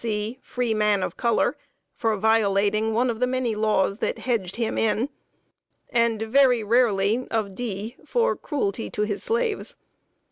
c. (free man of color) for violating one of the many laws that hedged him in; and, very rarely, of D., for cruelty to his slaves.